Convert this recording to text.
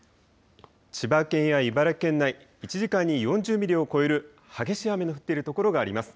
千葉県や茨城県内、１時間に４０ミリを超える激しい雨の降っている所があります。